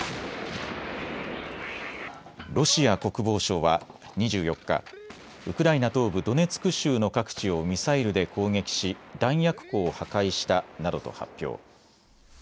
ロシア国防省は２４日、ウクライナ東部ドネツク州の各地をミサイルで攻撃し弾薬庫を破壊したなどと発表。